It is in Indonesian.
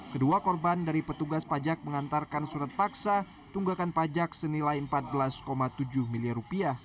kedua korban dari petugas pajak mengantarkan surat paksa tunggakan pajak senilai rp empat belas tujuh miliar rupiah